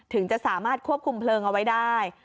ถึงจะสามารถควบคุมเพลิงเอาไว้ได้